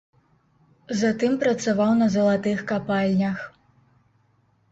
Затым працаваў на залатых капальнях.